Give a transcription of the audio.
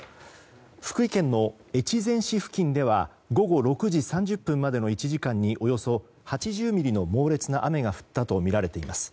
福井県の越前市付近では午後６時３０分までの１時間におよそ８０ミリの猛烈な雨が降ったとみられています。